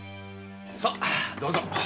さあどうぞ。